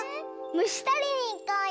むしとりにいこうよ！